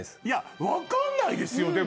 いや分かんないですよ